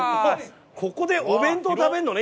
ここでお弁当食べるのね？